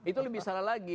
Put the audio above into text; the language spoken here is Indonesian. itu lebih salah lagi